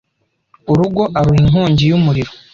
urugo aruha inkongi y’umuriro